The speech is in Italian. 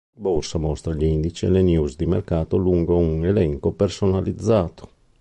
Borsa mostra gli indici e le news di mercato lungo un elenco personalizzato.